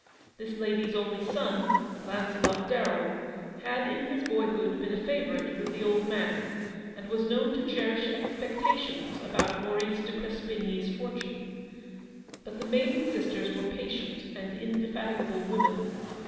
This lady's only son, Launcelot Darrell, had in his boyhood been a favourite with the old man, and was known to cherish expectations about Maurice de Cres pigny's fortune. But the maiden sisters were patient and indefatigable women.